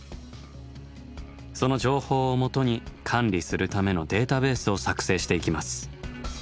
その情報をもとに管理するためのデータベースを作成していきます。